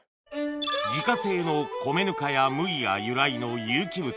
自家製の米糠や麦が由来の有機物